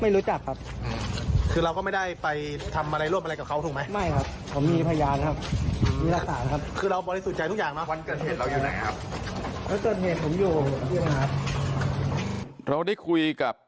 เราได้คุยกับ